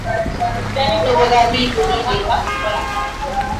N'obodo ala Igbo niile